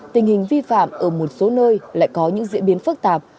tình hình vi phạm ở một số nơi lại có những diễn biến phức tạp